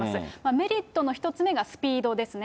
メリットの１つ目がスピードですね。